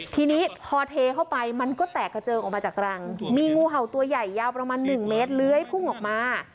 ทีนี้พอเทเข้าไปมันก็แตกกระเจิงออกมาจากรังมีงูเห่าตัวใหญ่ยาวประมาณหนึ่งเมตรเลื้อยพุ่งออกมา